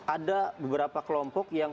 ada beberapa kelompok yang